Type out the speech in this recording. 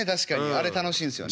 あれ楽しいんすよね。